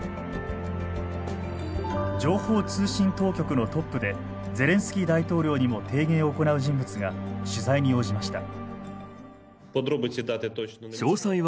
情報通信当局のトップでゼレンスキー大統領にも提言を行う人物が取材に応じました。